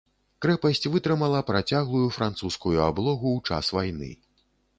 Крэпасць вытрымала працяглую французскую аблогу ў час вайны.